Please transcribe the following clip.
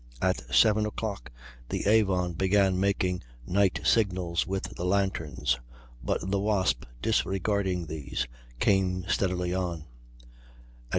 At 7.00 the Avon began making night signals with the lanterns, but the Wasp, disregarding these, came steadily on; at 8.